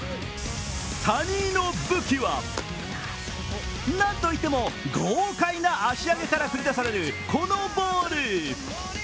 谷井の武器は何と言っても豪快な足上げから繰り出されるこのボール。